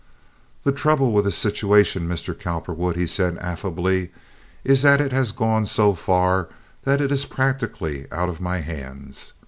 "The trouble with this situation, Mr. Cowperwood," he said, affably, "is that it has gone so far that it is practically out of my hands.